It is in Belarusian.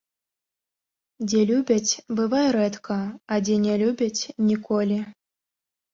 Дзе любяць, бывай рэдка, а дзе ня любяць ‒ ніколі